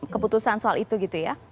keputusan soal itu gitu ya